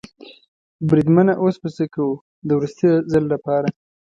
بریدمنه اوس به څه کوو؟ د وروستي ځل لپاره.